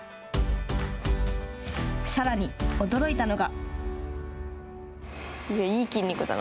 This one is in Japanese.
さらに驚いたのが。